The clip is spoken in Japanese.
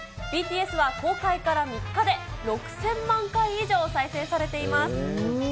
ＢＴＳは公開から３日で６０００万回以上再生されています。